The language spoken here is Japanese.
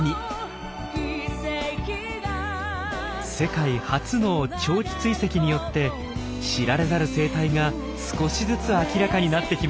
世界初の長期追跡によって知られざる生態が少しずつ明らかになってきました。